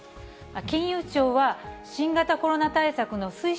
金融庁は、新型コロナ対策の推進